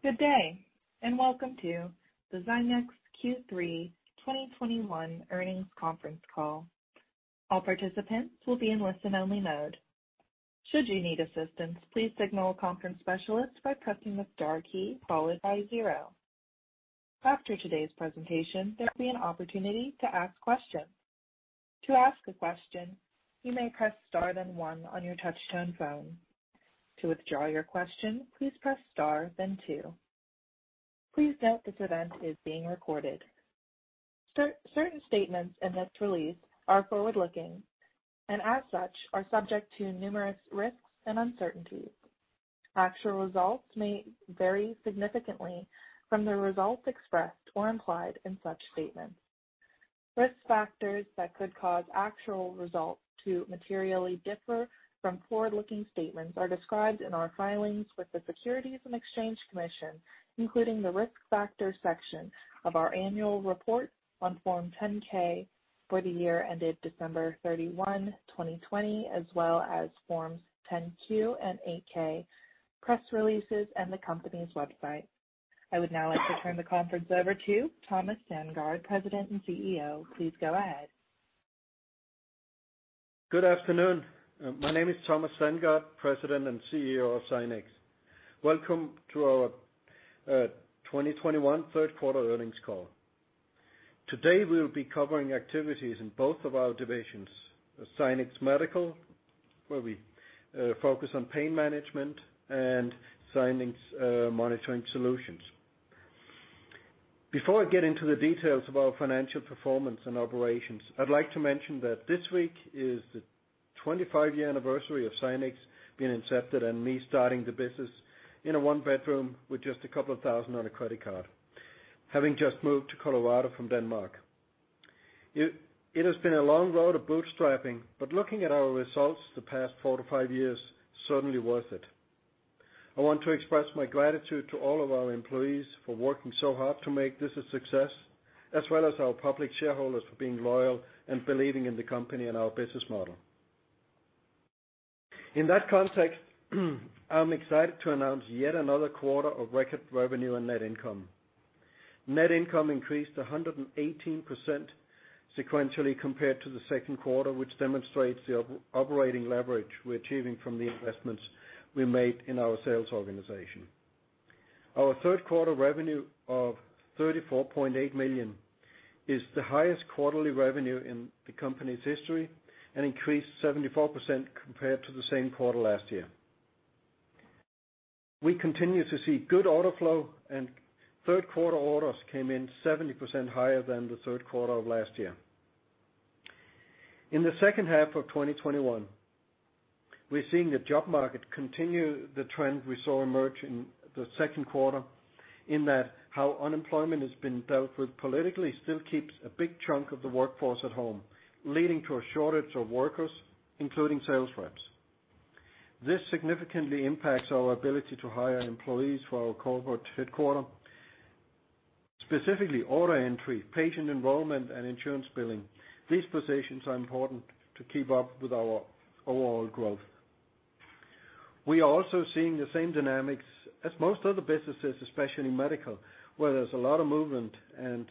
Good day, and welcome to the Zynex Q3 2021 earnings conference call. All participants will be in listen-only mode. Should you need assistance, please signal a conference specialist by pressing the star key followed by zero. After today's presentation, there'll be an opportunity to ask questions. To ask a question, you may press star then one on your touchtone phone. To withdraw your question, please press star then two. Please note this event is being recorded. Certain statements in this release are forward-looking, and as such, are subject to numerous risks and uncertainties. Actual results may vary significantly from the results expressed or implied in such statements. Risk factors that could cause actual results to materially differ from forward-looking statements are described in our filings with the Securities and Exchange Commission, including the Risk Factors section of our annual report on Form 10-K for the year ended December 31, 2020, as well as Form 10-Q and Form 8-K, press releases, and the company's website. I would now like to turn the conference over to Thomas Sandgaard, President and CEO. Please go ahead. Good afternoon. My name is Thomas Sandgaard, President and CEO of Zynex. Welcome to our 2021 third quarter earnings call. Today, we'll be covering activities in both of our divisions, Zynex Medical, where we focus on pain management and Zynex Monitoring Solutions. Before I get into the details of our financial performance and operations, I'd like to mention that this week is the 25-year anniversary of Zynex being incepted and me starting the business in a one-bedroom with just $2,000 on a credit card, having just moved to Colorado from Denmark. It has been a long road of bootstrapping, but looking at our results the past 4-5 years, certainly worth it. I want to express my gratitude to all of our employees for working so hard to make this a success, as well as our public shareholders for being loyal and believing in the company and our business model. In that context, I'm excited to announce yet another quarter of record revenue and net income. Net income increased 118% sequentially compared to the second quarter, which demonstrates the operating leverage we're achieving from the investments we made in our sales organization. Our third quarter revenue of $34.8 million is the highest quarterly revenue in the company's history and increased 74% compared to the same quarter last year. We continue to see good order flow, and third quarter orders came in 70% higher than the third quarter of last year. In the second half of 2021, we're seeing the job market continue the trend we saw emerge in the second quarter in that how unemployment has been dealt with politically still keeps a big chunk of the workforce at home, leading to a shortage of workers, including sales reps. This significantly impacts our ability to hire employees for our corporate headquarters, specifically order entry, patient enrollment, and insurance billing. These positions are important to keep up with our overall growth. We are also seeing the same dynamics as most other businesses, especially in medical, where there's a lot of movement and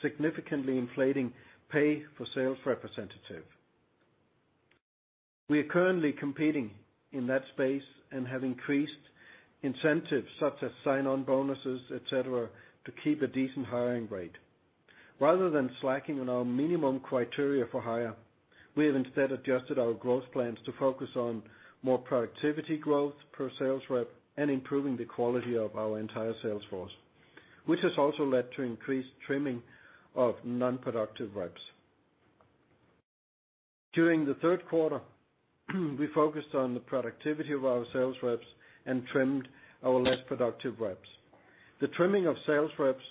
significantly inflating pay for sales representatives. We are currently competing in that space and have increased incentives such as sign-on bonuses, et cetera, to keep a decent hiring rate. Rather than slacking on our minimum criteria for hire, we have instead adjusted our growth plans to focus on more productivity growth per sales rep and improving the quality of our entire sales force, which has also led to increased trimming of non-productive reps. During the third quarter, we focused on the productivity of our sales reps and trimmed our less productive reps. The trimming of sales reps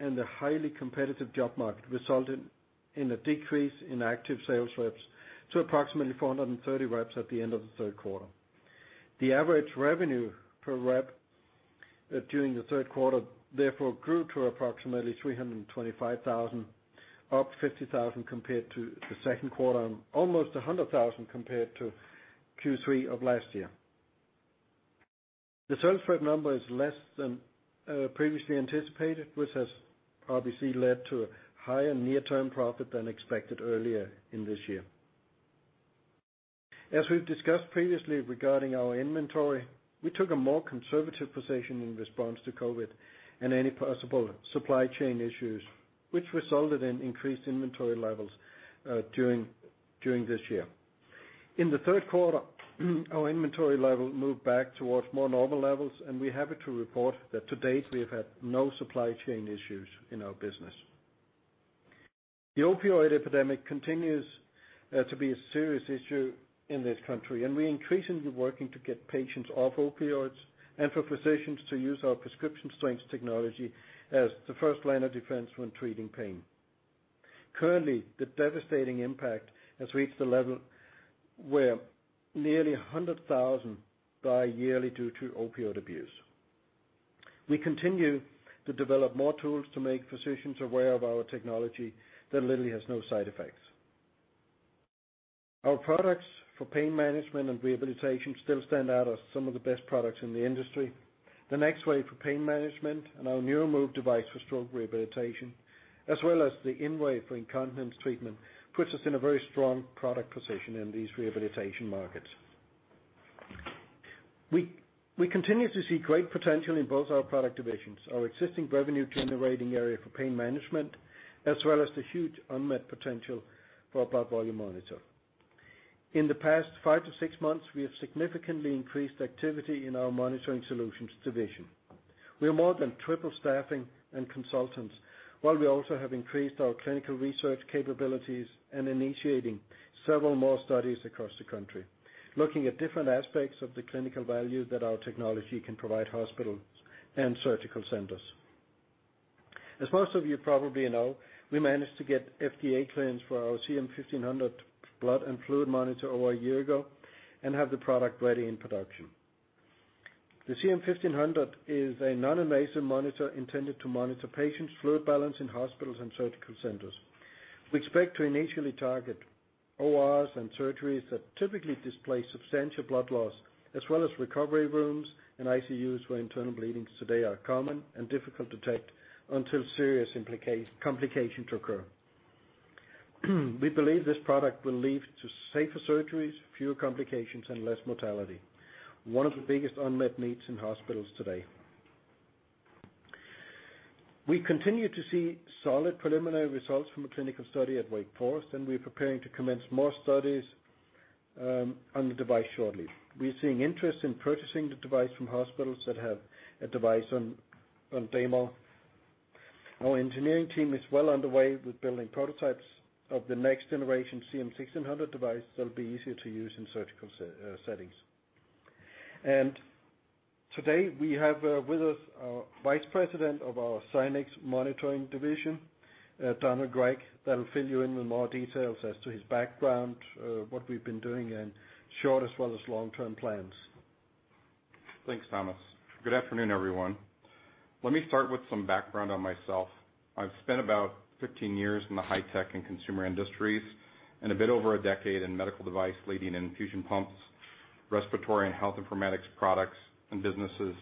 and the highly competitive job market resulted in a decrease in active sales reps to approximately 430 reps at the end of the third quarter. The average revenue per rep during the third quarter, therefore, grew to approximately $325,000, up $50,000 compared to the second quarter, and almost $100,000 compared to Q3 of last year. The sales rep number is less than previously anticipated, which has obviously led to a higher near-term profit than expected earlier in this year. As we've discussed previously regarding our inventory, we took a more conservative position in response to COVID and any possible supply chain issues, which resulted in increased inventory levels during this year. In the third quarter, our inventory level moved back towards more normal levels, and we're happy to report that to date, we have had no supply chain issues in our business. The opioid epidemic continues to be a serious issue in this country, and we're increasingly working to get patients off opioids and for physicians to use our prescription strength technology as the first line of defense when treating pain. Currently, the devastating impact has reached a level where nearly 100,000 die yearly due to opioid abuse. We continue to develop more tools to make physicians aware of our technology that literally has no side effects. Our products for pain management and rehabilitation still stand out as some of the best products in the industry. The NexWave for pain management and our NeuroMove device for stroke rehabilitation, as well as the InWave for incontinence treatment, puts us in a very strong product position in these rehabilitation markets. We continue to see great potential in both our product divisions, our existing revenue-generating area for pain management, as well as the huge unmet potential for our blood volume monitor. In the past 5-6 months, we have significantly increased activity in our monitoring solutions division. We have more than tripled staffing and consultants, while we also have increased our clinical research capabilities and initiating several more studies across the country, looking at different aspects of the clinical value that our technology can provide hospitals and surgical centers. As most of you probably know, we managed to get FDA clearance for our CM-1500 blood and fluid monitor over a year ago and have the product ready in production. The CM-1500 is a non-invasive monitor intended to monitor patients' fluid balance in hospitals and surgical centers. We expect to initially target ORs and surgeries that typically display substantial blood loss, as well as recovery rooms and ICUs, where internal bleedings today are common and difficult to detect until serious complications occur. We believe this product will lead to safer surgeries, fewer complications, and less mortality, one of the biggest unmet needs in hospitals today. We continue to see solid preliminary results from a clinical study at Wake Forest, and we're preparing to commence more studies on the device shortly. We're seeing interest in purchasing the device from hospitals that have a device on demo. Our engineering team is well underway with building prototypes of the next generation CM1600 device that will be easier to use in surgical settings. Today we have with us our Vice President of our Zynex Monitoring Division, Donald Gregg, that'll fill you in with more details as to his background, what we've been doing and short as well as long-term plans. Thanks, Thomas. Good afternoon, everyone. Let me start with some background on myself. I've spent about 15 years in the high-tech and consumer industries and a bit over a decade in medical device, leading infusion pumps, respiratory and health informatics products and businesses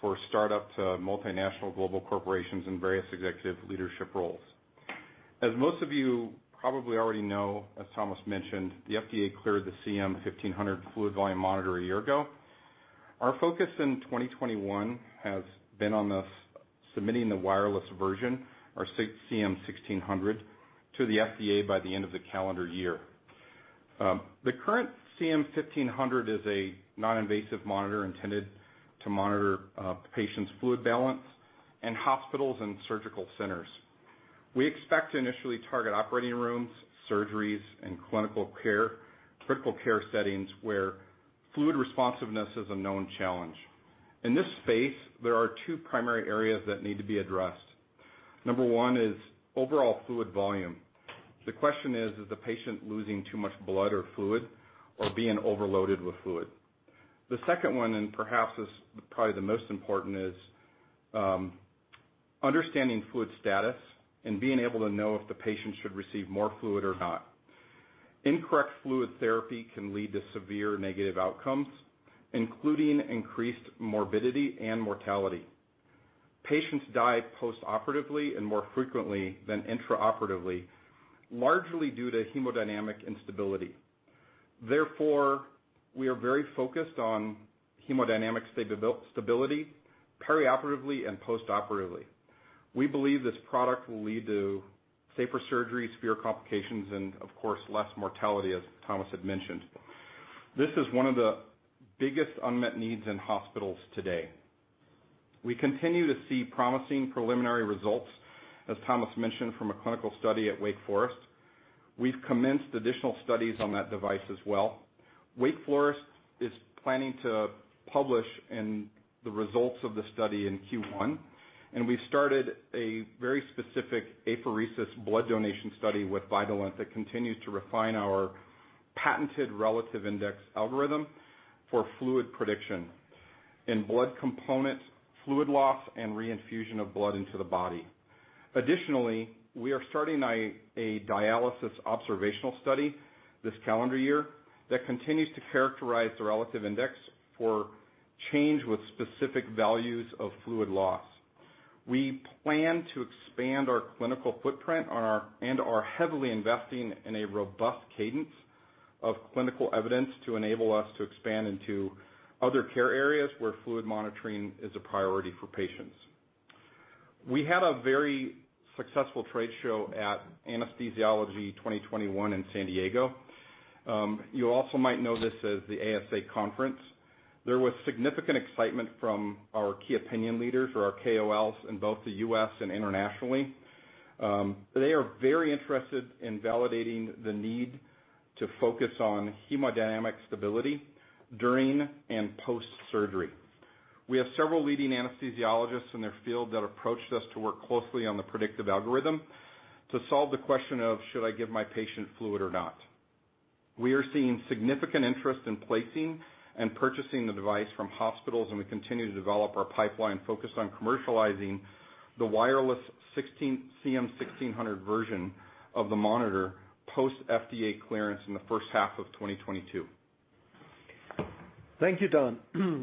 for startup to multinational global corporations in various executive leadership roles. As most of you probably already know, as Thomas mentioned, the FDA cleared the CM-1500 fluid volume monitor a year ago. Our focus in 2021 has been on submitting the wireless version, our next CM-1600, to the FDA by the end of the calendar year. The current CM-1500 is a non-invasive monitor intended to monitor patient's fluid balance in hospitals and surgical centers. We expect to initially target operating rooms, surgeries, and clinical care, critical care settings where fluid responsiveness is a known challenge. In this space, there are two primary areas that need to be addressed. Number one is overall fluid volume. The question is the patient losing too much blood or fluid or being overloaded with fluid? The second one, and perhaps the most important, is understanding fluid status and being able to know if the patient should receive more fluid or not. Incorrect fluid therapy can lead to severe negative outcomes, including increased morbidity and mortality. Patients die post-operatively and more frequently than intra-operatively, largely due to hemodynamic instability. Therefore, we are very focused on hemodynamic stability perioperatively and post-operatively. We believe this product will lead to safer surgeries, fewer complications and, of course, less mortality, as Thomas had mentioned. This is one of the biggest unmet needs in hospitals today. We continue to see promising preliminary results, as Thomas mentioned, from a clinical study at Wake Forest. We've commenced additional studies on that device as well. Wake Forest is planning to publish the results of the study in Q1, and we started a very specific apheresis blood donation study with Vitalant that continues to refine our patented Relative Index algorithm for fluid prediction in blood component fluid loss and reinfusion of blood into the body. Additionally, we are starting a dialysis observational study this calendar year that continues to characterize the Relative Index for change with specific values of fluid loss. We plan to expand our clinical footprint and are heavily investing in a robust cadence of clinical evidence to enable us to expand into other care areas where fluid monitoring is a priority for patients. We had a very successful trade show at Anesthesiology 2021 in San Diego. You also might know this as the ASA conference. There was significant excitement from our key opinion leaders or our KOLs in both the U.S. and internationally. They are very interested in validating the need to focus on hemodynamic stability during and post-surgery. We have several leading anesthesiologists in their field that approached us to work closely on the predictive algorithm to solve the question of, should I give my patient fluid or not? We are seeing significant interest in placing and purchasing the device from hospitals, and we continue to develop our pipeline focused on commercializing the wireless CM-1600 version of the monitor post FDA clearance in the first half of 2022. Thank you, Don.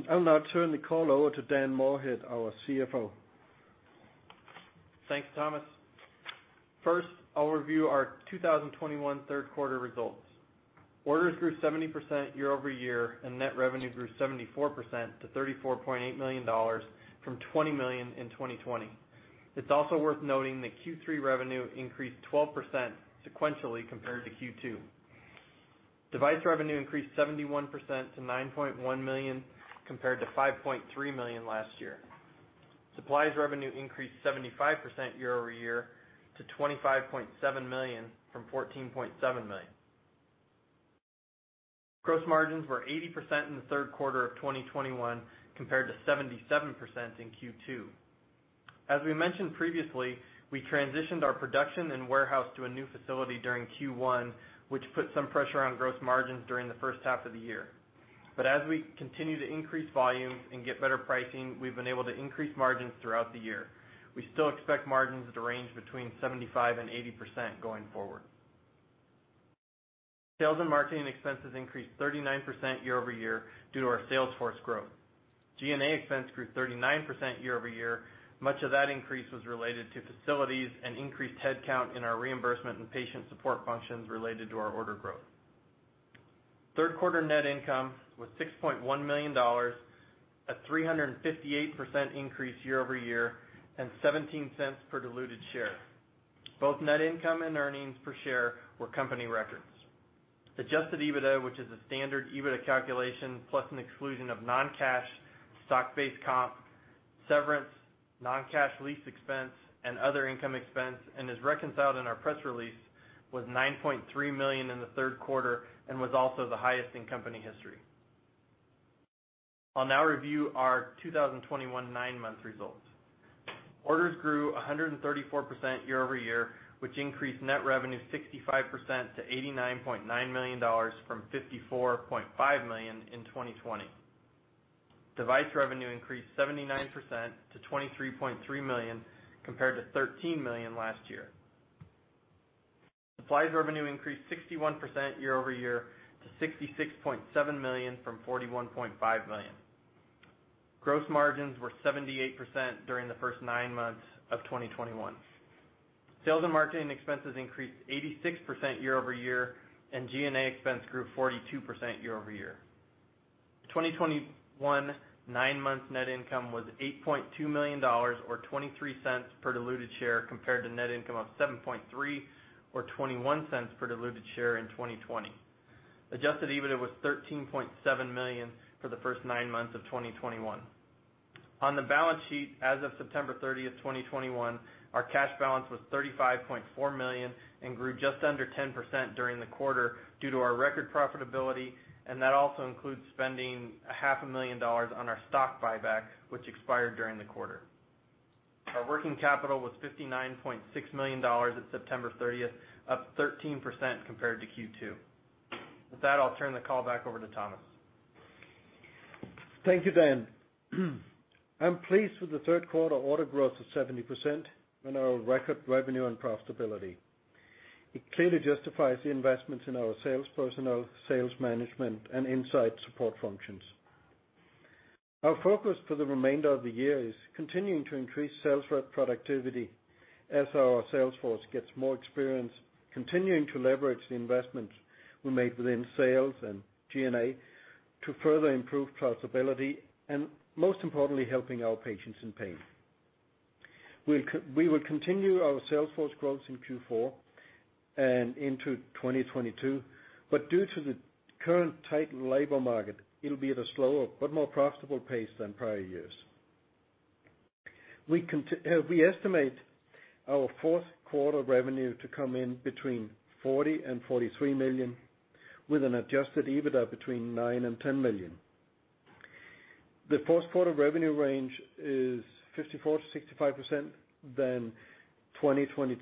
I'll now turn the call over to Dan Moorhead, our CFO. Thanks, Thomas. First, I'll review our 2021 third quarter results. Orders grew 70% year-over-year, and net revenue grew 74% to $34.8 million from $20 million in 2020. It's also worth noting that Q3 revenue increased 12% sequentially compared to Q2. Device revenue increased 71% to $9.1 million compared to $5.3 million last year. Supplies revenue increased 75% year-over-year to $25.7 million from $14.7 million. Gross margins were 80% in the third quarter of 2021 compared to 77% in Q2. We mentioned previously, we transitioned our production and warehouse to a new facility during Q1, which put some pressure on gross margins during the first half of the year. As we continue to increase volumes and get better pricing, we've been able to increase margins throughout the year. We still expect margins to range between 75%-80% going forward. Sales and marketing expenses increased 39% year-over-year due to our sales force growth. G&A expense grew 39% year-over-year. Much of that increase was related to facilities and increased headcount in our reimbursement and patient support functions related to our order growth. Third quarter net income was $6.1 million, a 358% increase year-over-year, and $0.17 per diluted share. Both net income and earnings per share were company records. Adjusted EBITDA, which is a standard EBITDA calculation plus an exclusion of non-cash stock-based comp, severance, non-cash lease expense, and other income expense, and is reconciled in our press release, was $9.3 million in the third quarter and was also the highest in company history. I'll now review our 2021 nine-month results. Orders grew 134% year-over-year, which increased net revenue 65% to $89.9 million from $54.5 million in 2020. Device revenue increased 79% to $23.3 million compared to $13 million last year. Supplies revenue increased 61% year-over-year to $66.7 million from $41.5 million. Gross margins were 78% during the first nine months of 2021. Sales and marketing expenses increased 86% year-over-year, and G&A expense grew 42% year-over-year. 2021 nine-month net income was $8.2 million or 23 cents per diluted share compared to net income of $7.3 or 21 cents per diluted share in 2020. Adjusted EBITDA was $13.7 million for the first 9 months of 2021. On the balance sheet as of September 30, 2021, our cash balance was $35.4 million and grew just under 10% during the quarter due to our record profitability, and that also includes spending half a million dollars on our stock buyback, which expired during the quarter. Our working capital was $59.6 million at September 30, up 13% compared to Q2. With that, I'll turn the call back over to Thomas. Thank you, Dan. I'm pleased with the third quarter order growth of 70% and our record revenue and profitability. It clearly justifies the investments in our sales personnel, sales management, and insight support functions. Our focus for the remainder of the year is continuing to increase sales rep productivity as our sales force gets more experience, continuing to leverage the investments we made within sales and G&A to further improve profitability, and most importantly, helping our patients in pain. We will continue our sales force growth in Q4 and into 2022, but due to the current tight labor market, it'll be at a slower but more profitable pace than prior years. We estimate our fourth quarter revenue to come in between $40 million and $43 million with an adjusted EBITDA between $9 million and $10 million. The fourth quarter revenue range is 54%-65% than 2020's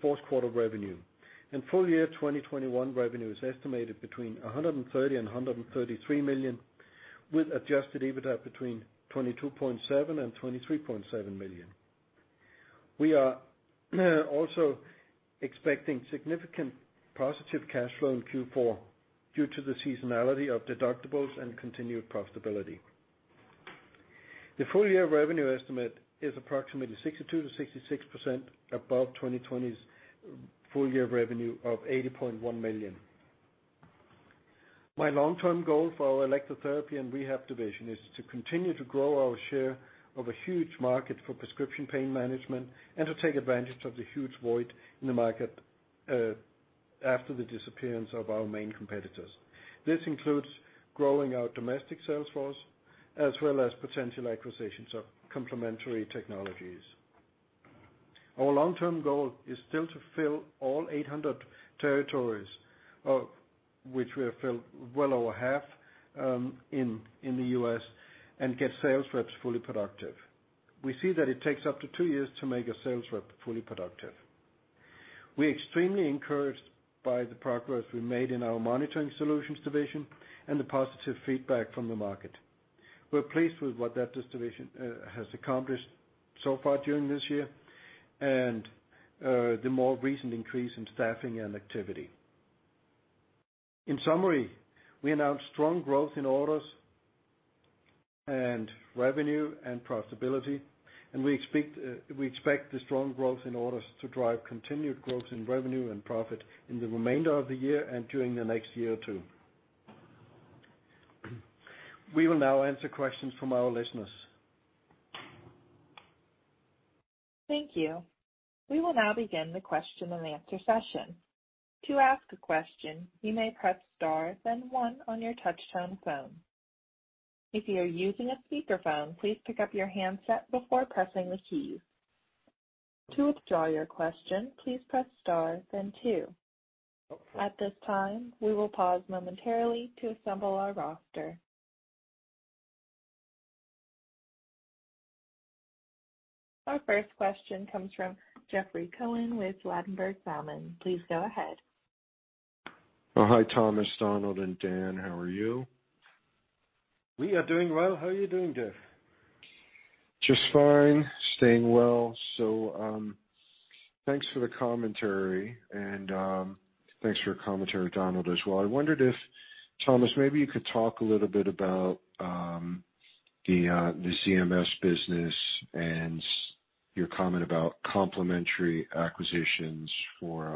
fourth quarter revenue. Full year 2021 revenue is estimated between $130 million and $133 million, with adjusted EBITDA between $22.7 million and $23.7 million. We are also expecting significant positive cash flow in Q4 due to the seasonality of deductibles and continued profitability. The full year revenue estimate is approximately 62%-66% above 2020's full year revenue of $80.1 million. My long-term goal for our electrotherapy and rehab division is to continue to grow our share of a huge market for prescription pain management and to take advantage of the huge void in the market, after the disappearance of our main competitors. This includes growing our domestic sales force as well as potential acquisitions of complementary technologies. Our long-term goal is still to fill all 800 territories, of which we have filled well over half in the U.S., and get sales reps fully productive. We see that it takes up to two years to make a sales rep fully productive. We're extremely encouraged by the progress we made in our Monitoring Solutions division and the positive feedback from the market. We're pleased with what that distribution has accomplished so far during this year and the more recent increase in staffing and activity. In summary, we announced strong growth in orders and revenue and profitability, and we expect the strong growth in orders to drive continued growth in revenue and profit in the remainder of the year and during the next year too. We will now answer questions from our listeners. Thank you. We will now begin the question and answer session. To ask a question, you may press star then one on your touchtone phone. If you're using a speaker phone, please pick up your handset before pressing the key. To withdraw your question, please press star then two. At this time, we will pause momentarily to assemble our roster. Our first question comes from Jeffrey Cohen with Ladenburg Thalmann. Please go ahead. Oh, hi, Thomas, Donald, and Dan. How are you? We are doing well. How are you doing, Jeff? Just fine. Staying well. Thanks for the commentary, and thanks for your commentary, Donald, as well. I wondered if, Thomas, maybe you could talk a little bit about the CMS business and your comment about complementary acquisitions for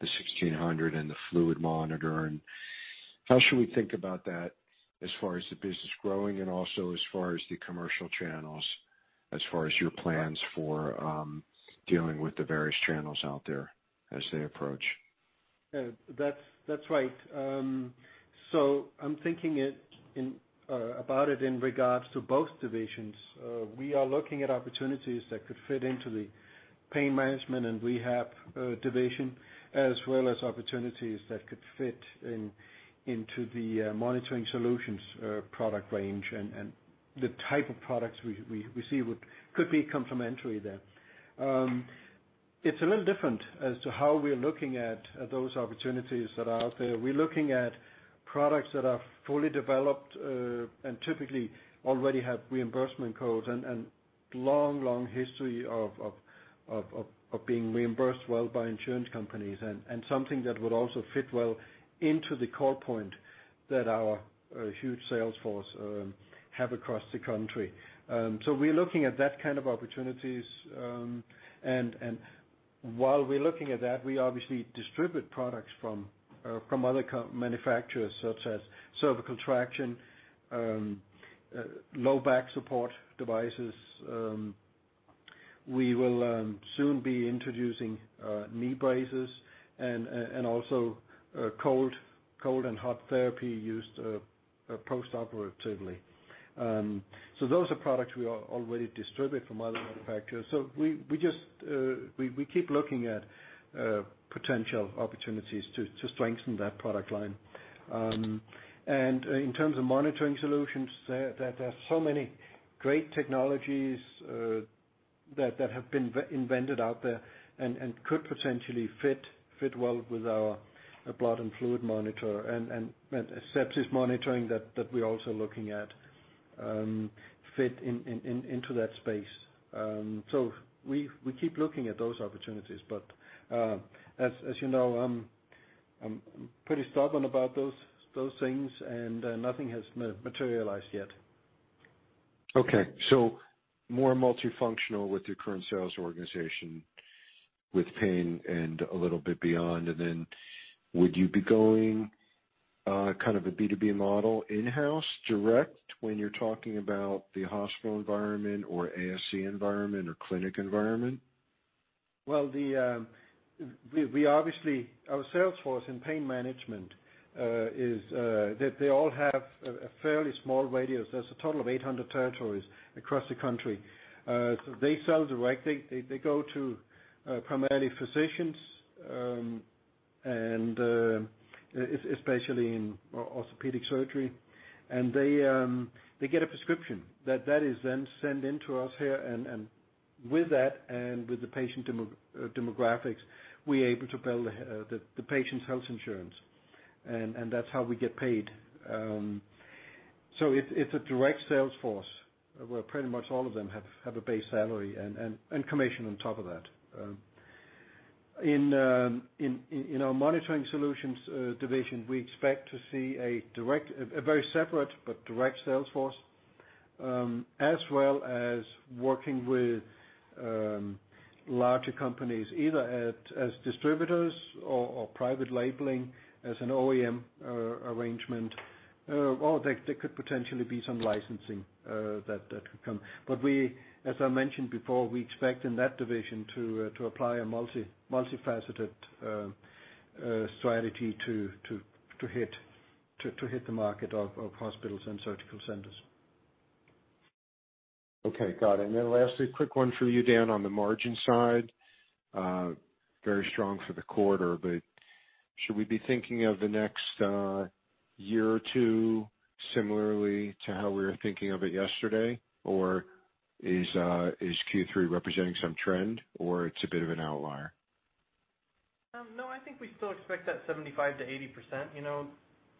the 1600 and the fluid monitor, and how should we think about that as far as the business growing and also as far as the commercial channels as far as your plans for dealing with the various channels out there as they approach? Yeah. That's right. I'm thinking about it in regards to both divisions. We are looking at opportunities that could fit into the pain management and rehab division, as well as opportunities that could fit into the monitoring solutions product range and the type of products we see could be complementary there. It's a little different as to how we're looking at those opportunities that are out there. We're looking at products that are fully developed and typically already have reimbursement codes and long history of being reimbursed well by insurance companies and something that would also fit well into the core point that our huge sales force have across the country. We're looking at that kind of opportunities. While we're looking at that, we obviously distribute products from other manufacturers such as cervical traction, low back support devices. We will soon be introducing knee braces and also cold and hot therapy used postoperatively. Those are products we already distribute from other manufacturers. We just keep looking at potential opportunities to strengthen that product line. In terms of monitoring solutions, there are so many great technologies that have been invented out there and could potentially fit well with our blood and fluid monitor and sepsis monitoring that we're also looking at fit into that space. We keep looking at those opportunities. As you know, I'm pretty stubborn about those things, and nothing has materialized yet. Okay. More multifunctional with your current sales organization with pain and a little bit beyond, and then would you be going, kind of a B2B model in-house direct when you're talking about the hospital environment or ASC environment or clinic environment? Well, we obviously, our sales force in pain management is that they all have a fairly small radius. There's a total of 800 territories across the country. They sell directly. They go to primarily physicians and especially in orthopedic surgery. They get a prescription. That is then sent in to us here and with that and with the patient demographics, we're able to bill the patient's health insurance. That's how we get paid. It's a direct sales force where pretty much all of them have a base salary and commission on top of that. In our Monitoring Solutions division, we expect to see a direct, very separate but direct sales force, as well as working with larger companies, either as distributors or private labeling as an OEM arrangement, or there could potentially be some licensing that could come. As I mentioned before, we expect in that division to apply a multifaceted strategy to hit the market of hospitals and surgical centers. Okay. Got it. Lastly, a quick one for you, Dan, on the margin side. Very strong for the quarter, but should we be thinking of the next year or two similarly to how we were thinking of it yesterday? Or is Q3 representing some trend or it's a bit of an outlier? No, I think we still expect that 75%-80%.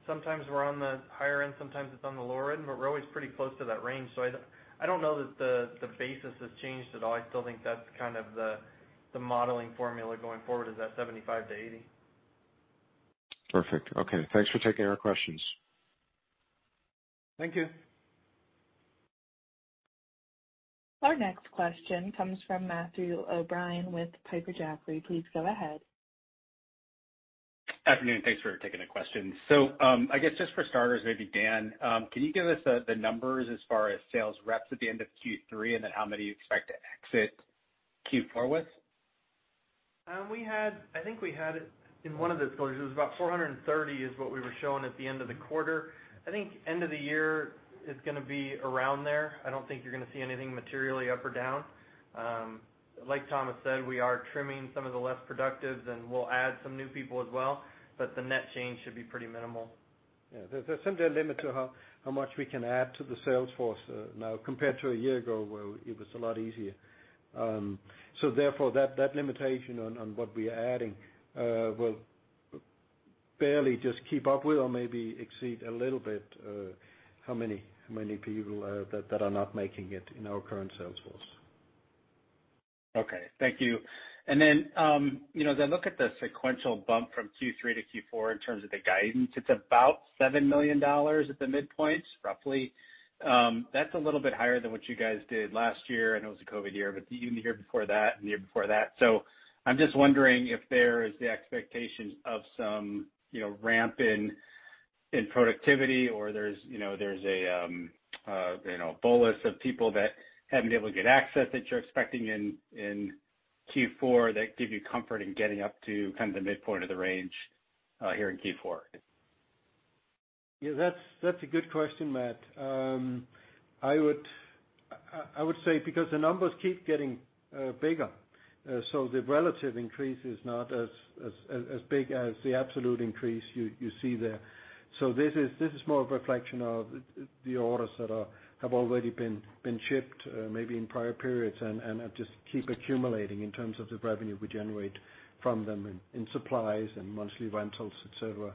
Sometimes we're on the higher end, sometimes it's on the lower end, but we're always pretty close to that range. I don't know that the basis has changed at all. I still think that's kind of the modeling formula going forward is that 75%-80%. Perfect. Okay. Thanks for taking our questions. Thank you. Our next question comes from Matthew O'Brien with Piper Sandler. Please go ahead. Afternoon. Thanks for taking the question. I guess just for starters, maybe Dan, can you give us the numbers as far as sales reps at the end of Q3 and then how many you expect to exit Q4 with? I think we had it in one of those quarters. It was about 430 is what we were showing at the end of the quarter. I think end of the year is gonna be around there. I don't think you're gonna see anything materially up or down. Like Thomas said, we are trimming some of the less productives, and we'll add some new people as well, but the net change should be pretty minimal. Yeah. There's simply a limit to how much we can add to the sales force now compared to a year ago where it was a lot easier. Therefore, that limitation on what we are adding will barely just keep up with or maybe exceed a little bit how many people that are not making it in our current sales force. Okay. Thank you. Look at the sequential bump from Q3 to Q4 in terms of the guidance. It's about $7 million at the midpoint, roughly. That's a little bit higher than what you guys did last year. I know it was a COVID year, but even the year before that and the year before that. I'm just wondering if there is the expectation of some ramp in productivity or there's a bolus of people that haven't been able to get access that you're expecting in Q4 that give you comfort in getting up to kind of the midpoint of the range here in Q4. Yeah, that's a good question, Matt. I would say because the numbers keep getting bigger, so the relative increase is not as big as the absolute increase you see there. This is more of a reflection of the orders that have already been shipped, maybe in prior periods and just keep accumulating in terms of the revenue we generate from them in supplies and monthly rentals, et cetera.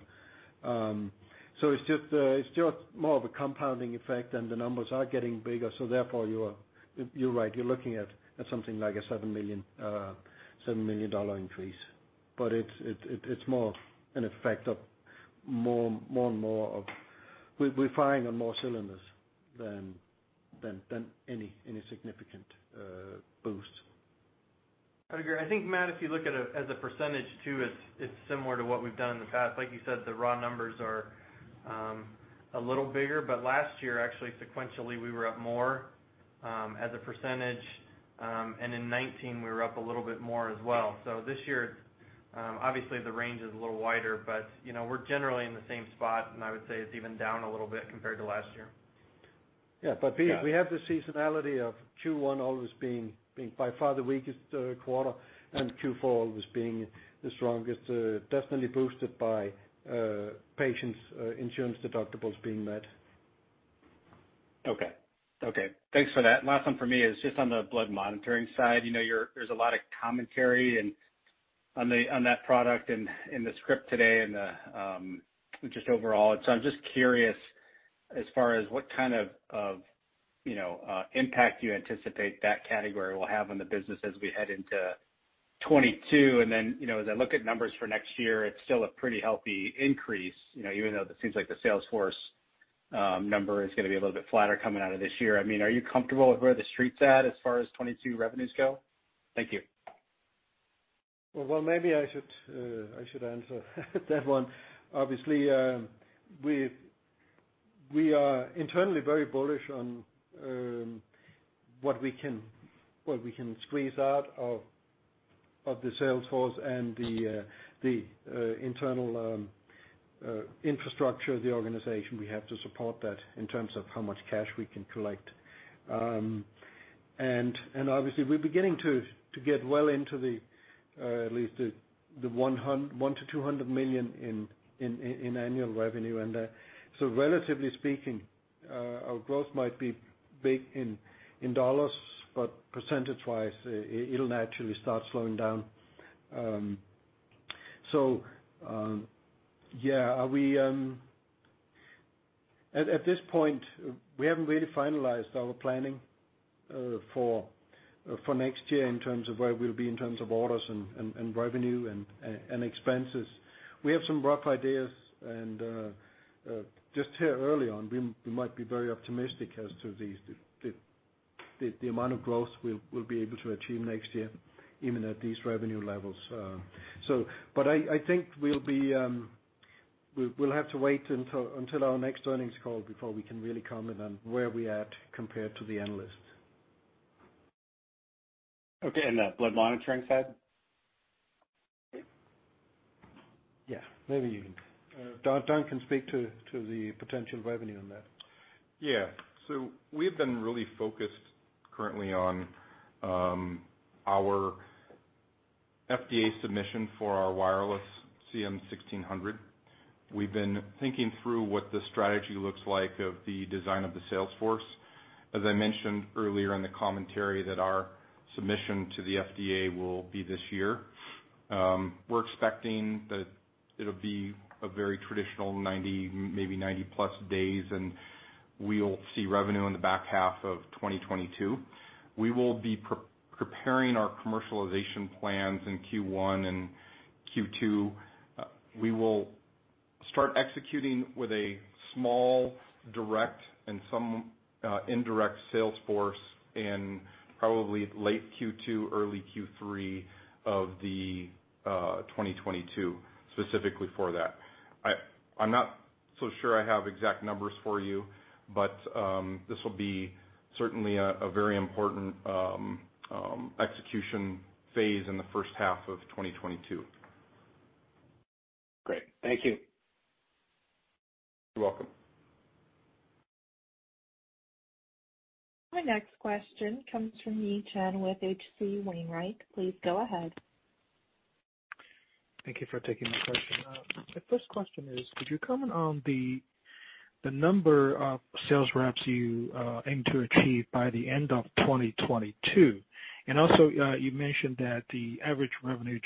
It's just more of a compounding effect, and the numbers are getting bigger, therefore you're right. You're looking at something like a $7 million increase. It's more an effect of more and more we're firing on more cylinders than any significant boost. I agree. I think, Matt, if you look at it as a percentage too, it's similar to what we've done in the past. Like you said, the raw numbers are a little bigger. Last year, actually, sequentially, we were up more as a percentage. In 2019 we were up a little bit more as well. This year, obviously the range is a little wider, but you know, we're generally in the same spot, and I would say it's even down a little bit compared to last year. We have the seasonality of Q1 always being by far the weakest quarter and Q4 always being the strongest, definitely boosted by patients' insurance deductibles being met. Okay. Thanks for that. Last one for me is just on the blood monitoring side. There's a lot of commentary and on that product and in the script today and just overall. I'm just curious as far as what kind of impact you anticipate that category will have on the business as we head into 2022. Then as I look at numbers for next year, it's still a pretty healthy increase even though it seems like the sales force number is gonna be a little bit flatter coming out of this year. I mean, are you comfortable with where the Street's at as far as 2022 revenues go? Thank you. Well, maybe I should answer that one. Obviously, we are internally very bullish on what we can squeeze out of the sales force and the internal infrastructure of the organization. We have to support that in terms of how much cash we can collect. Obviously we're beginning to get well into at least the $100-$200 million in annual revenue. So relatively speaking, our growth might be big in dollars, but percentage-wise, it'll naturally start slowing down. At this point, we haven't really finalized our planning for next year in terms of where we'll be in terms of orders and revenue and expenses. We have some rough ideas and just here early on, we might be very optimistic as to the amount of growth we'll be able to achieve next year, even at these revenue levels. I think we'll have to wait until our next earnings call before we can really comment on where we at compared to the analysts. Okay. The blood monitoring side? Yeah. Don can speak to the potential revenue on that. Yeah. We've been really focused currently on our FDA submission for our wireless CM-1600. We've been thinking through what the strategy looks like of the design of the sales force. As I mentioned earlier in the commentary that our submission to the FDA will be this year. We're expecting that it'll be a very traditional 90, maybe 90-plus days, and we'll see revenue in the back half of 2022. We will be preparing our commercialization plans in Q1 and Q2. We will start executing with a small direct and some indirect sales force in probably late Q2, early Q3 of the 2022 specifically for that. I'm not so sure I have exact numbers for you, but this will be certainly a very important execution phase in the first half of 2022. Great. Thank you. You're welcome. My next question comes from Yi Chen with H.C. Wainwright. Please go ahead. Thank you for taking my question. My first question is, could you comment on the number of sales reps you aim to achieve by the end of 2022? Also, you mentioned that the average revenue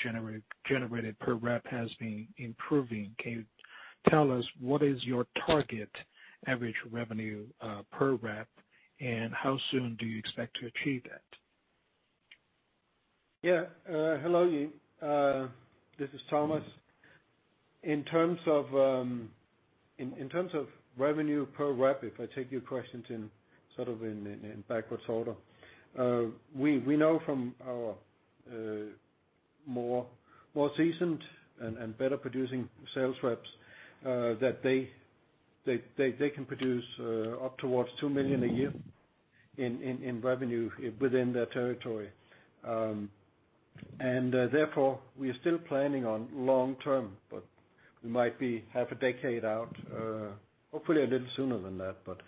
generated per rep has been improving. Can you tell us what is your target average revenue per rep, and how soon do you expect to achieve that? Yeah. Hello, Yi. This is Thomas. In terms of revenue per rep, if I take your questions in sort of backwards order. We know from our more seasoned and better producing sales reps that they can produce up towards $2 million a year in revenue within their territory. Therefore, we are still planning on long term, but we might be half a decade out, hopefully a little sooner than that, but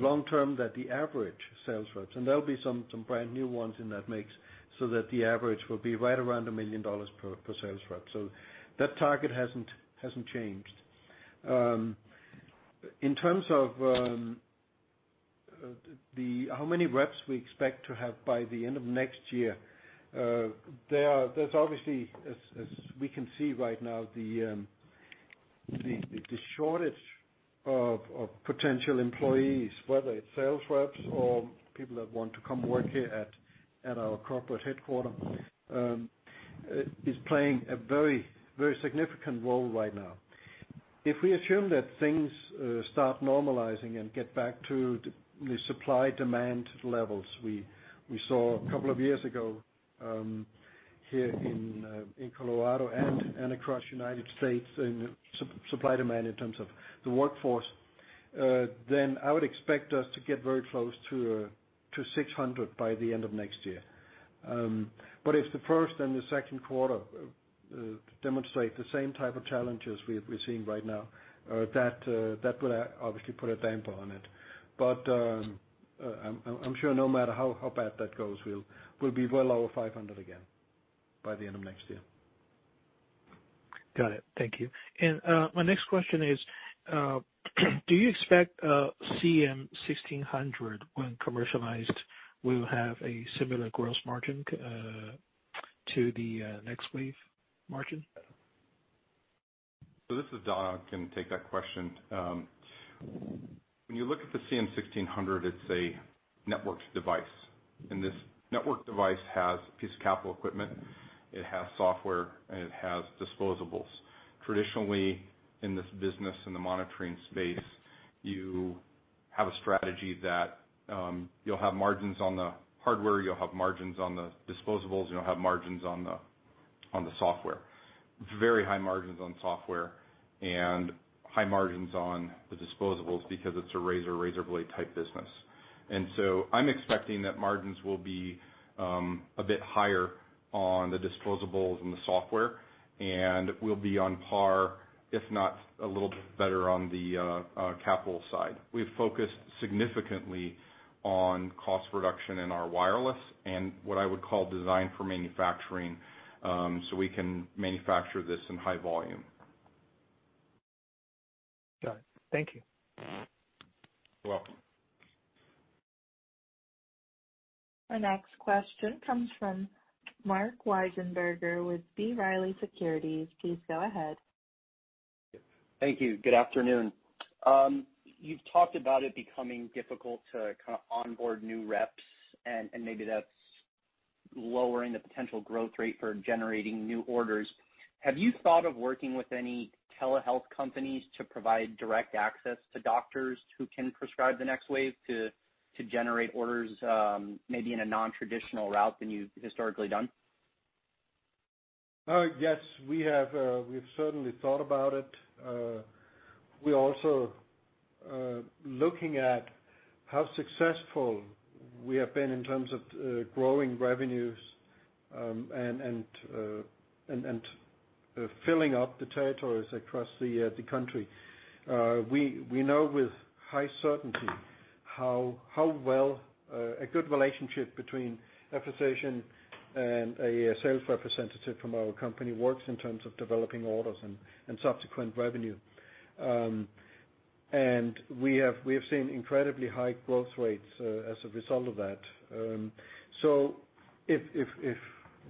long term that the average sales rep, and there'll be some brand new ones in that mix so that the average will be right around $1 million per sales rep. That target hasn't changed. In terms of how many reps we expect to have by the end of next year, there's obviously, as we can see right now, the shortage of potential employees, whether it's sales reps or people that want to come work here at our corporate headquarters, is playing a very significant role right now. If we assume that things start normalizing and get back to the supply and demand levels we saw a couple of years ago, here in Colorado and across United States in supply and demand in terms of the workforce, then I would expect us to get very close to 600 by the end of next year. If the first and second quarter demonstrate the same type of challenges we're seeing right now, that would obviously put a damper on it. I'm sure no matter how bad that goes, we'll be well over 500 again by the end of next year. Got it. Thank you. My next question is, do you expect CM-1600, when commercialized, will have a similar gross margin to the NexWave margin? This is Don. I can take that question. When you look at the CM-1600, it's a networked device. This network device has a piece of capital equipment, it has software, and it has disposables. Traditionally, in this business, in the monitoring space, you have a strategy that you'll have margins on the hardware, you'll have margins on the disposables, and you'll have margins on the software. Very high margins on software and high margins on the disposables because it's a razor blade type business. I'm expecting that margins will be a bit higher on the disposables and the software, and we'll be on par, if not a little bit better on the capital side. We've focused significantly on cost reduction in our wireless and what I would call design for manufacturing, so we can manufacture this in high volume. Got it. Thank you. You're welcome. Our next question comes from Marc Wiesenberger with B. Riley Securities. Please go ahead. Thank you. Good afternoon. You've talked about it becoming difficult to kind of onboard new reps, and maybe that's lowering the potential growth rate for generating new orders. Have you thought of working with any telehealth companies to provide direct access to doctors who can prescribe the NexWave to generate orders, maybe in a non-traditional route than you've historically done? Yes, we have, we've certainly thought about it. We're also looking at how successful we have been in terms of growing revenues and filling up the territories across the country. We know with high certainty how well a good relationship between a physician and a sales representative from our company works in terms of developing orders and subsequent revenue. We have seen incredibly high growth rates as a result of that. If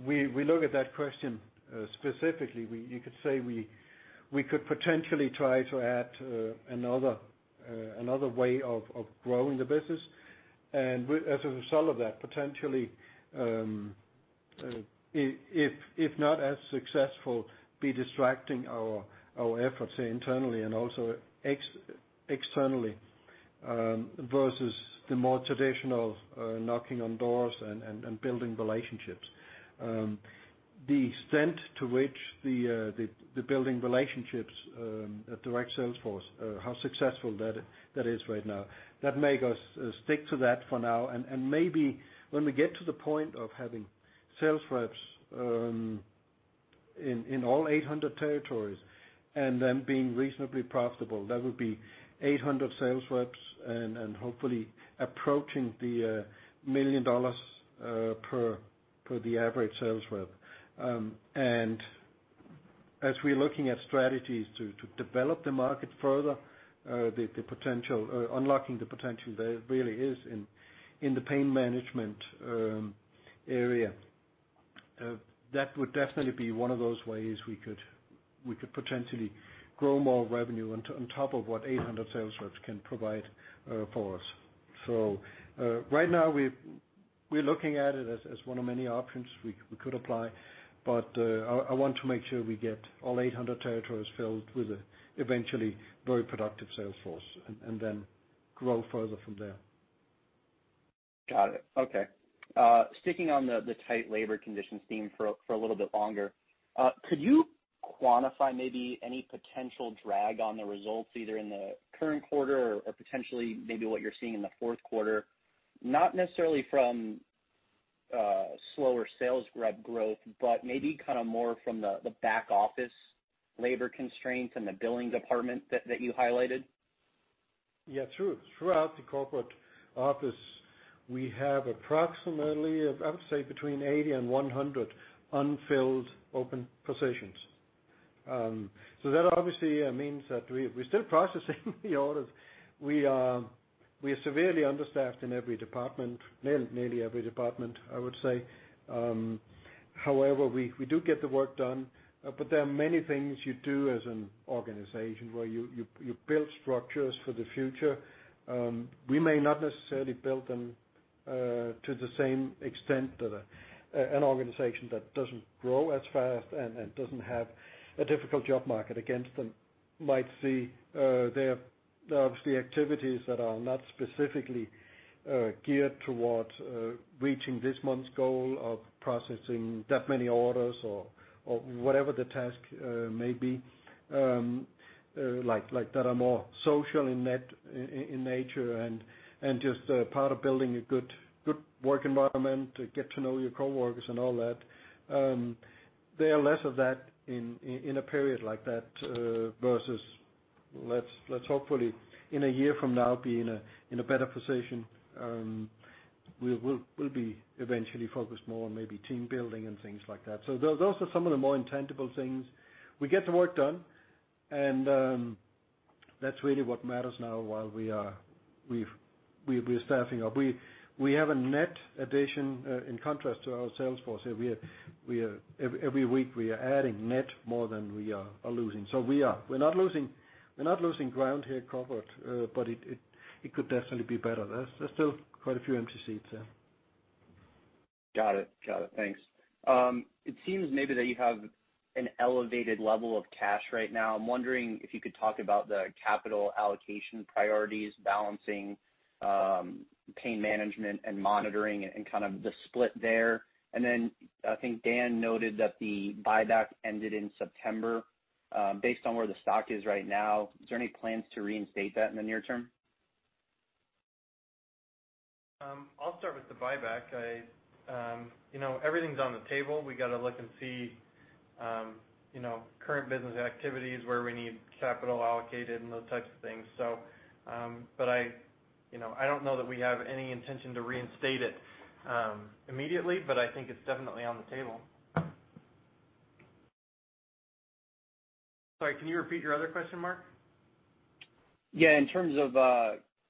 we look at that question specifically, you could say we could potentially try to add another way of growing the business. As a result of that, potentially, if not as successful, be distracting our efforts internally and also externally, versus the more traditional knocking on doors and building relationships. The extent to which the building relationships direct sales force, how successful that is right now, that make us stick to that for now. Maybe when we get to the point of having sales reps in all 800 territories and them being reasonably profitable, that would be 800 sales reps and hopefully approaching the $1 million per the average sales rep. As we're looking at strategies to develop the market further, unlocking the potential there really is in the pain management area, that would definitely be one of those ways we could potentially grow more revenue on top of what 800 sales reps can provide for us. Right now, we're looking at it as one of many options we could apply. I want to make sure we get all 800 territories filled with eventually very productive sales force and then grow further from there. Got it. Okay. Sticking on the tight labor conditions theme for a little bit longer, could you quantify maybe any potential drag on the results, either in the current quarter or potentially maybe what you're seeing in the fourth quarter? Not necessarily from slower sales rep growth, but maybe kind of more from the back office labor constraints and the billing department that you highlighted. Throughout the corporate office, we have approximately, I would say, between 80 and 100 unfilled open positions. That obviously means that we're still processing the orders. We are severely understaffed in nearly every department, I would say. However, we do get the work done. There are many things you do as an organization where you build structures for the future. We may not necessarily build them to the same extent that an organization that doesn't grow as fast and doesn't have a difficult job market against them might see. There are obviously activities that are not specifically geared towards reaching this month's goal of processing that many orders or whatever the task may be, like that are more social in nature and just part of building a good work environment to get to know your coworkers and all that. There are less of that in a period like that versus let's hopefully in a year from now be in a better position. We'll be eventually focused more on maybe team building and things like that. Those are some of the more intangible things. We get the work done, and that's really what matters now while we're staffing up. We have a net addition in contrast to our sales force. We are every week adding net more than we are losing. We are. We're not losing ground here corporate, but it could definitely be better. There's still quite a few empty seats there. Got it. Thanks. It seems maybe that you have an elevated level of cash right now. I'm wondering if you could talk about the capital allocation priorities balancing, pain management and monitoring and kind of the split there. Then I think Dan noted that the buyback ended in September. Based on where the stock is right now, is there any plans to reinstate that in the near term? I'll start with the buyback. I everything's on the table. We gotta look and see current business activities where we need capital allocated and those types of things. But I, you know, I don't know that we have any intention to reinstate it, immediately, but I think it's definitely on the table. Sorry, can you repeat your other question, Marc? Yeah. In terms of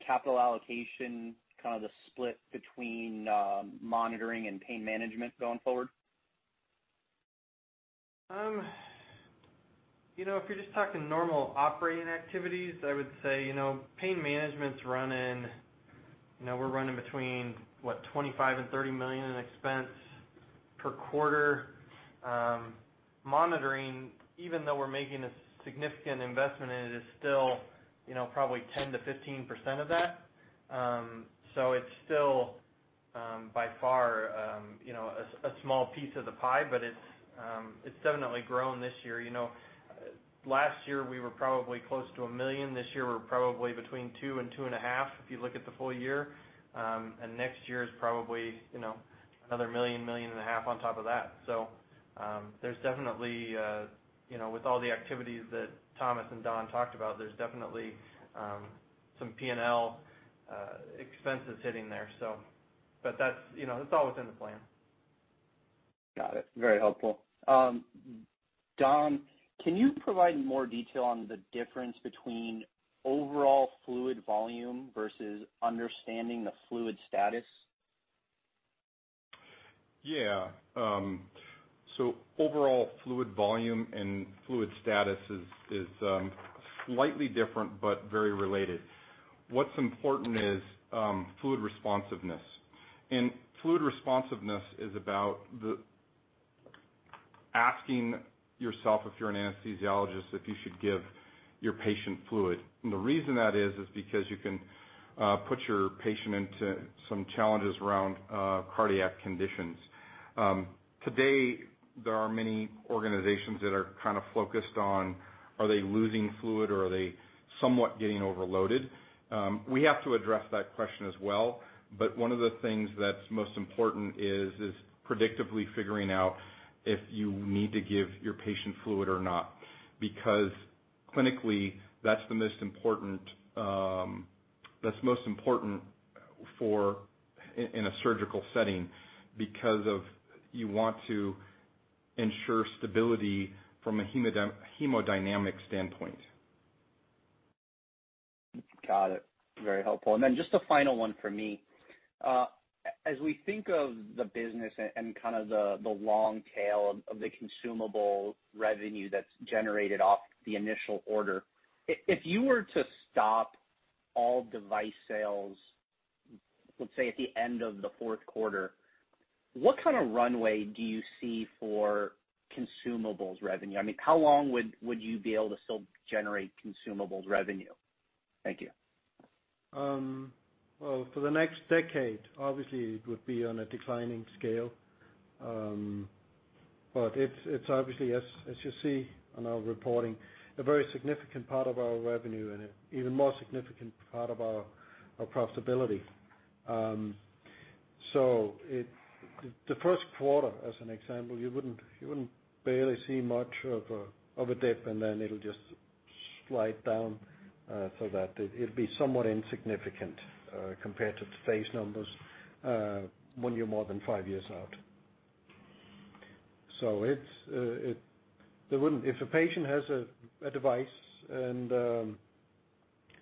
capital allocation, kind of the split between monitoring and pain management going forward. If you're just talking normal operating activities, I would say, you know, pain management is running, you know, we're running between $25 million and $30 million in expense per quarter. Monitoring, even though we're making a significant investment in it, is still, you know, probably 10%-15% of that. So it's still, by far, you know, a small piece of the pie, but it's definitely grown this year. You know, last year, we were probably close to $1 million. This year, we're probably between $2 million and $2.5 million, if you look at the full year. Next year is probably another $1 million-$1.5 million on top of that. There's definitely with all the activities that Thomas and Don talked about, there's definitely some P&L expenses hitting there. That's it's all within the plan. Got it. Very helpful. Don, can you provide more detail on the difference between overall fluid volume versus understanding the fluid status? Yeah. So overall fluid volume and fluid status is slightly different but very related. What's important is fluid responsiveness. Fluid responsiveness is about asking yourself, if you're an anesthesiologist, if you should give your patient fluid. The reason that is is because you can put your patient into some challenges around cardiac conditions. Today, there are many organizations that are kind of focused on are they losing fluid or are they somewhat getting overloaded. We have to address that question as well, but one of the things that's most important is predictably figuring out if you need to give your patient fluid or not. Because clinically, that's the most important, that's most important for in a surgical setting because you want to ensure stability from a hemodynamic standpoint. Got it. Very helpful. Just a final one for me. As we think of the business and kind of the long tail of the consumable revenue that's generated off the initial order, if you were to stop all device sales, let's say at the end of the fourth quarter, what kind of runway do you see for consumables revenue? I mean, how long would you be able to still generate consumables revenue? Thank you. Well, for the next decade, obviously it would be on a declining scale. It's obviously, as you see on our reporting, a very significant part of our revenue and an even more significant part of our profitability. The first quarter, as an example, you wouldn't barely see much of a dip, and then it'll just slide down, so that it'd be somewhat insignificant compared to today's numbers when you're more than five years out. If a patient has a device and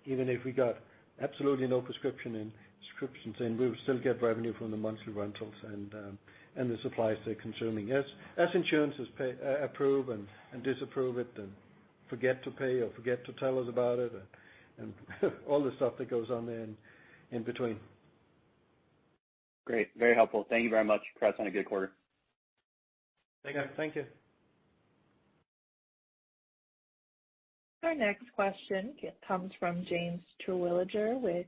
even if we got absolutely no subscriptions, we would still get revenue from the monthly rentals and the supplies they're consuming. As insurances pay, approve and disapprove it and forget to pay or forget to tell us about it and all the stuff that goes on there in between. Great. Very helpful. Thank you very much. Congrats on a good quarter. Thank you. Thank you. Our next question comes from James Terwilliger with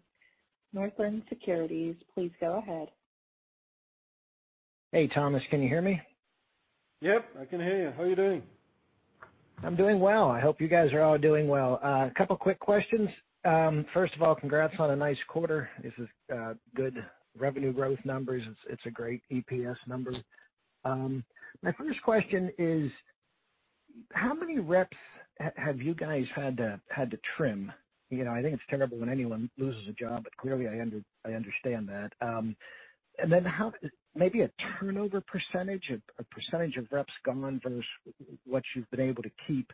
Northland Securities. Please go ahead. Hey, Thomas, can you hear me? Yep, I can hear you. How are you doing? I'm doing well. I hope you guys are all doing well. A couple quick questions. First of all, congrats on a nice quarter. This is good revenue growth numbers. It's a great EPS number. My first question is, how many reps have you guys had to trim? You know, I think it's terrible when anyone loses a job, but clearly I understand that. And then how, maybe a turnover percentage, a percentage of reps gone versus what you've been able to keep.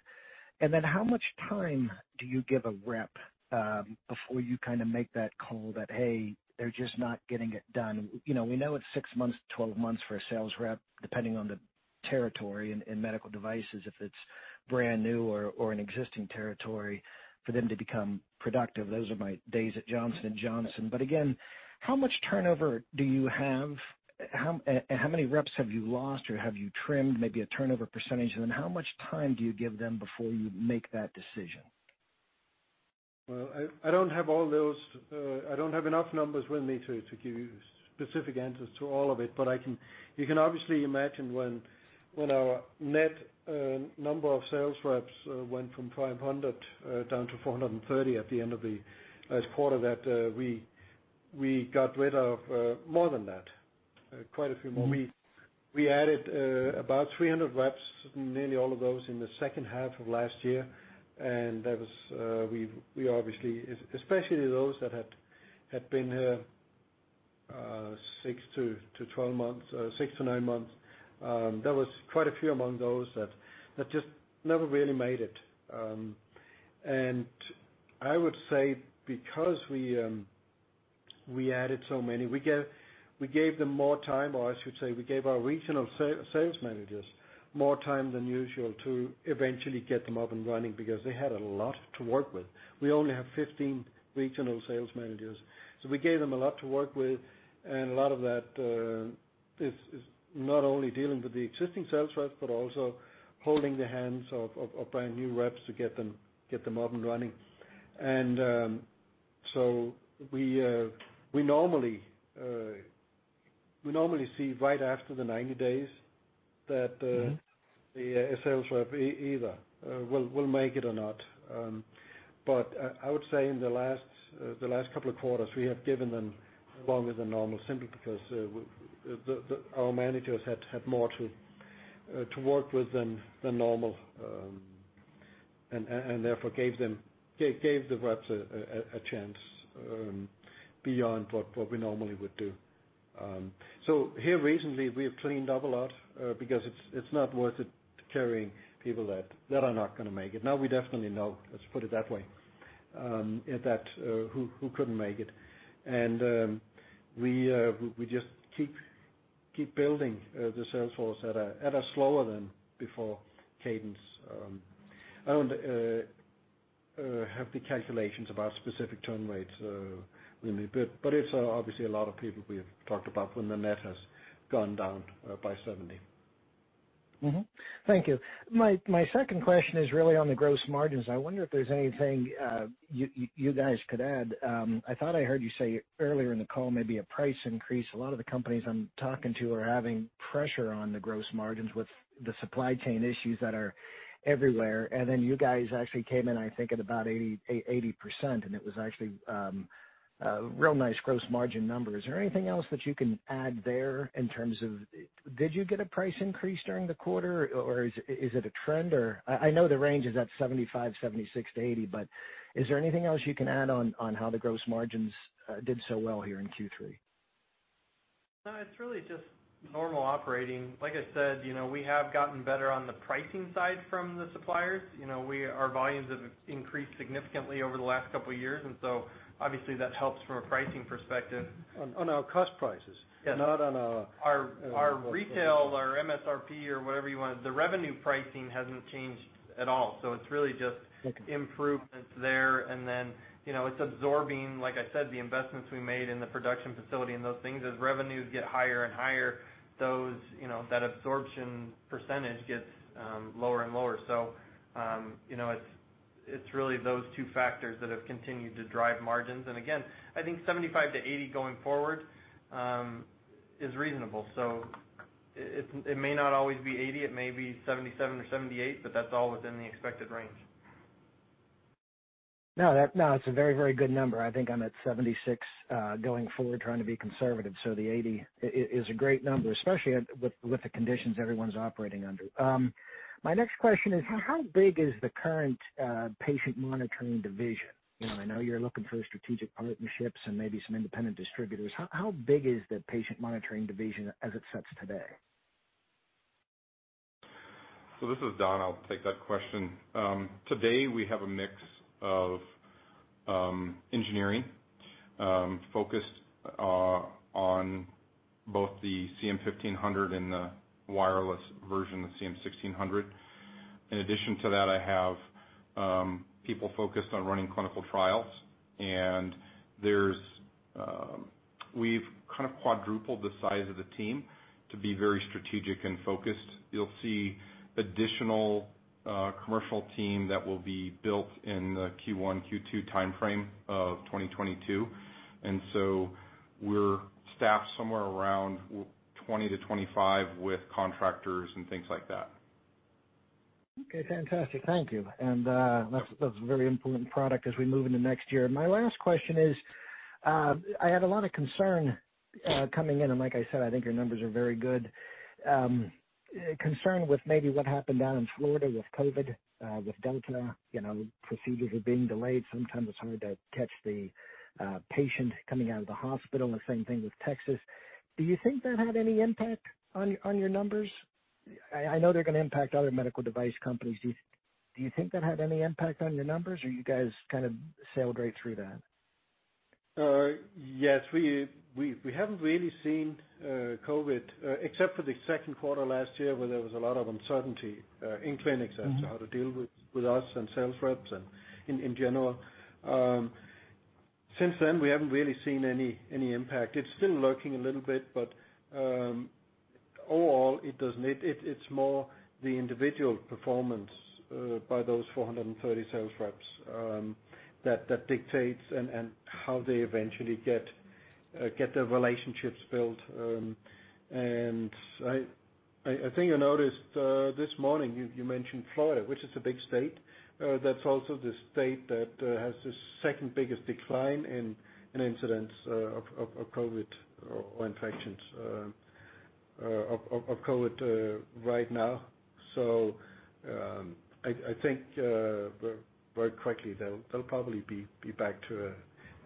And then how much time do you give a rep before you kinda make that call that, "Hey, they're just not getting it done"? We know it's 6-12 months for a sales rep, depending on the territory in medical devices, if it's brand new or an existing territory for them to become productive. Those are my days at Johnson & Johnson. Again, how much turnover do you have? How and how many reps have you lost or have you trimmed, maybe a turnover percentage? How much time do you give them before you make that decision? Well, I don't have all those. I don't have enough numbers with me to give you specific answers to all of it, but you can obviously imagine when our net number of sales reps went from 500 down to 430 at the end of the last quarter, that we got rid of more than that, quite a few more. We added about 300 reps, nearly all of those in the second half of last year. That was, we obviously especially those that had been 6-12 months, 6-9 months, there was quite a few among those that just never really made it. I would say because we added so many, we gave them more time, or I should say we gave our regional sales managers more time than usual to eventually get them up and running because they had a lot to work with. We only have 15 regional sales managers. We gave them a lot to work with and a lot of that is not only dealing with the existing sales reps, but also holding the hands of brand new reps to get them up and running. We normally see right after the 90 days that the sales rep either will make it or not. I would say in the last couple of quarters, we have given them longer than normal simply because our managers had more to work with than normal, and therefore gave the reps a chance beyond what we normally would do. Here recently we have cleaned up a lot, because it's not worth it carrying people that are not gonna make it. Now we definitely know, let's put it that way, that who couldn't make it. We just keep building the sales force at a slower than before cadence. I don't have the calculations about specific churn rates but it's obviously a lot of people we have talked about when the net has gone down by 70. Thank you. My second question is really on the gross margins. I wonder if there's anything you guys could add. I thought I heard you say earlier in the call maybe a price increase. A lot of the companies I'm talking to are having pressure on the gross margins with the supply chain issues that are everywhere. Then you guys actually came in, I think, at about 88%, and it was actually real nice gross margin numbers. Is there anything else that you can add there in terms of did you get a price increase during the quarter, or is it a trend? Or I know the range is at 75%-76% to 80%, but is there anything else you can add on how the gross margins did so well here in Q3? No, it's really just normal operating. Like I said we have gotten better on the pricing side from the suppliers. Our volumes have increased significantly over the last couple of years, and so obviously that helps from a pricing perspective. On our cost prices. Yes. Our retail or MSRP or whatever you want. The revenue pricing hasn't changed at all, so it's really just. Improvements there. Then it's absorbing, like I said, the investments we made in the production facility and those things. As revenues get higher and higher, those that absorption percentage gets lower and lower. It's really those two factors that have continued to drive margins. Again, I think 75%-80% going forward is reasonable. It may not always be 80%, it may be 77% or 78%, but that's all within the expected range. No, it's a very, very good number. I think I'm at 76 going forward, trying to be conservative. The 80 is a great number, especially with the conditions everyone's operating under. My next question is how big is the current patient monitoring division? You know, I know you're looking for strategic partnerships and maybe some independent distributors. How big is the patient monitoring division as it sits today? This is Don, I'll take that question. Today we have a mix of engineering focused on both the CM-1500 and the wireless version, the CM-1600. In addition to that, I have people focused on running clinical trials, and we've kind of quadrupled the size of the team to be very strategic and focused. You'll see additional commercial team that will be built in the Q1, Q2 timeframe of 2022. We're staffed somewhere around 20-25 with contractors and things like that. Okay, fantastic. Thank you. That's a very important product as we move into next year. My last question is, I had a lot of concern coming in, and like I said, I think your numbers are very good. Concern with maybe what happened down in Florida with COVID, with Delta. Procedures are being delayed. Sometimes it's hard to catch the patient coming out of the hospital. The same thing with Texas. Do you think that had any impact on your numbers? I know they're gonna impact other medical device companies. Do you think that had any impact on your numbers, or you guys kind of sailed right through that? Yes. We haven't really seen COVID, except for the second quarter last year, where there was a lot of uncertainty in clinics as to how to deal with us and sales reps and in general. Since then, we haven't really seen any impact. It's still lurking a little bit, but overall, it doesn't. It's more the individual performance by those 430 sales reps that dictates and how they eventually get their relationships built. I think I noticed this morning you mentioned Florida, which is a big state. That's also the state that has the second biggest decline in incidents of COVID or infections of COVID right now. I think very quickly they'll probably be back to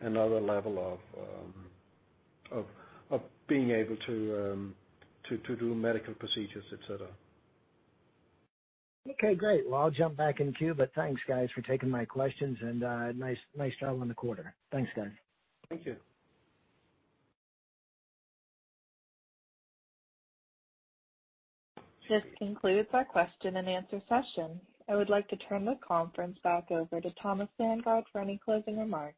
another level of being able to do medical procedures, etc. Okay, great. Well, I'll jump back in queue, but thanks, guys, for taking my questions and nice job on the quarter. Thanks, guys. Thank you. This concludes our question and answer session. I would like to turn the conference back over to Thomas Sandgaard for any closing remarks.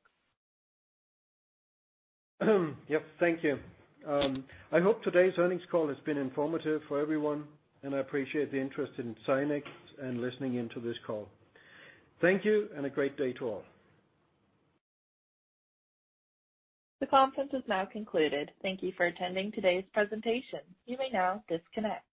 Yep. Thank you. I hope today's earnings call has been informative for everyone, and I appreciate the interest in Zynex and listening in to this call. Thank you and a great day to all. The conference is now concluded. Thank you for attending today's presentation. You may now disconnect.